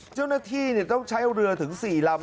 เจ้าหน้าที่ต้องใช้เรือถึง๔ลำ